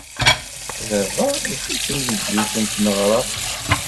Baba ixeddem deg yiwet n tneɣraft.